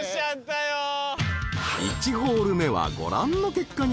［１ホール目はご覧の結果に］